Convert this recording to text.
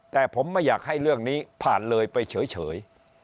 แต่ผมไม่อยากให้เรื่องนี้ผ่านเลยไปเฉย